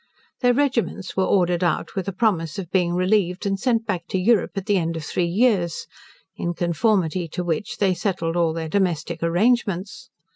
Their regiments were ordered out with a promise of being relieved, and sent back to Europe at the end of three years, in conformity to which they settled all their domestic arrangements.